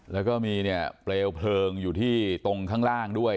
แล้วก็มีเนี่ยเปลวเพลิงอยู่ที่ตรงข้างล่างด้วย